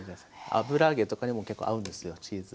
油揚げとかにも結構合うんですよチーズ。